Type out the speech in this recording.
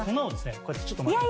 こうやってちょっとまきます。